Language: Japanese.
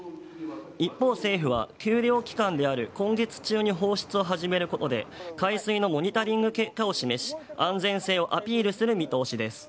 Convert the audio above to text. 一方、政府は、休漁期間である今月中に放出を始めることで、海水のモニタリング結果を示し、安全性をアピールする見通しです。